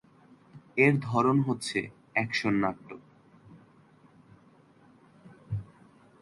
এর ধরন হচ্ছে অ্যাকশন নাট্য।